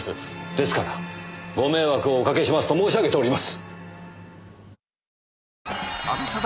ですからご迷惑をおかけしますと申し上げております。